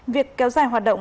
việc kéo dài hoạt động